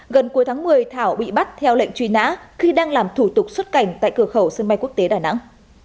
gần cuối tháng một mươi thảo bị bắt theo lệnh truy nã khi đang làm thủ tục xuất cảnh tại cửa khẩu sân bay quốc tế đà nẵng